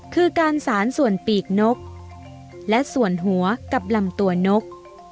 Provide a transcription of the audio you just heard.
คือการสารส่วนปีกนกและส่วนหัวกับลำตัวนก